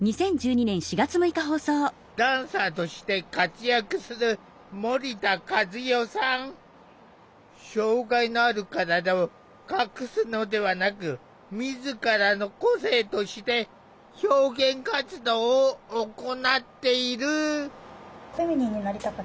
ダンサーとして活躍する障害のある体を隠すのではなく自らの個性として表現活動を行っている。